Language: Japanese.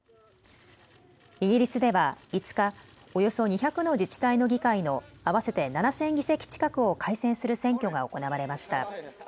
イギリスでは５日、およそ２００の自治体の議会の合わせて７０００議席近くを改選する選挙が行われました。